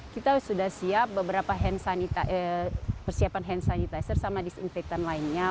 kita sudah siap beberapa persiapan hand sanitizer sama disinfektan lainnya